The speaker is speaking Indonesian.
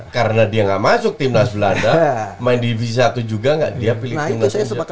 karena dia nggak masuk timnas belanda main divisi satu juga nggak dia pilih timnas belanda